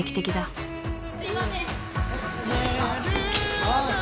すいません。